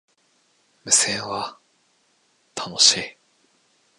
無線は、楽しい